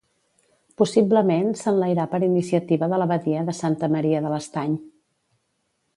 Possiblement s'enlairà per iniciativa de l'abadia de Santa Maria de l'Estany.